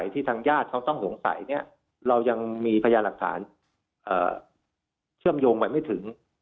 ที่ทางญาติเขาต้องสงสัยเนี่ยเรายังมีพยานหลักฐานเชื่อมโยงไปไม่ถึง